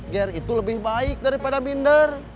gr itu lebih baik daripada minder